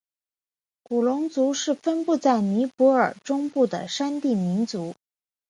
古隆族是分布在尼泊尔中部的山地民族。